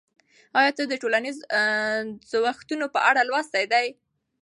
آیا تا د ټولنیزو خوځښتونو په اړه لوستي دي؟